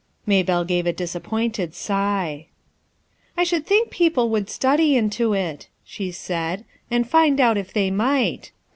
Maybelle gave a disappointed sigh, I should think people would study into it/ 1 she said, "and find out if they might.